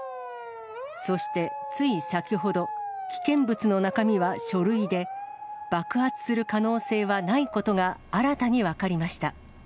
そして、つい先ほど、危険物の中身は書類で、爆発する可能性はないことが新たに分かりました。